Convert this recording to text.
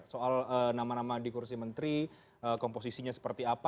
soal nama nama di kursi menteri komposisinya seperti apa